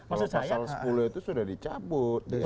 kalau pasal sepuluh itu sudah dicabut